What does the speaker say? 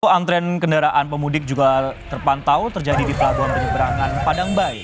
antrean kendaraan pemudik juga terpantau terjadi di pelabuhan penyeberangan padangbai